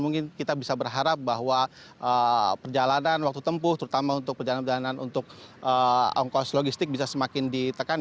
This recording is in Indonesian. mungkin kita bisa berharap bahwa perjalanan waktu tempuh terutama untuk perjalanan perjalanan untuk ongkos logistik bisa semakin ditekan